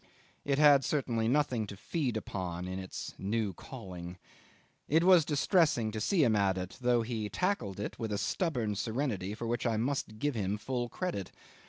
It had certainly nothing to feed upon in this new calling. It was distressing to see him at it, though he tackled it with a stubborn serenity for which I must give him full credit.